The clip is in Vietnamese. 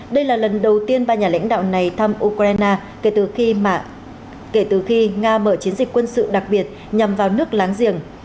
đây là lần đầu tiên ba nhà lãnh đạo này thăm ukraine kể từ khi nga mở chiến dịch quân sự đặc biệt nhằm vào nước láng giềng